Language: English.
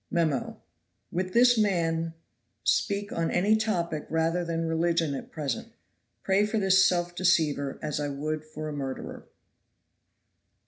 Mem. With this man speak on any topic rather than religion at present. Pray for this self deceiver as I would for a murderer.